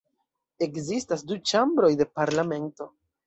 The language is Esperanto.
Ekzistas du ĉambroj de parlamento.